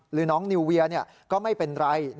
หรือน้องนิวเวียก็ไม่เป็นไร